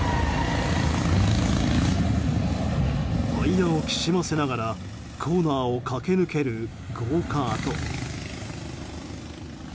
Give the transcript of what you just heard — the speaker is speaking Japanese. タイヤをきしませながらコーナーを駆け抜けるゴーカート。